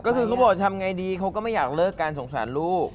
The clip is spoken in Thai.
ก็คือเขาบอกทำไงดีเขาก็ไม่อยากเลิกกันสงสารลูก